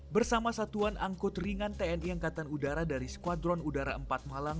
bersama satuan angkut ringan tni angkatan udara dari skuadron udara empat malang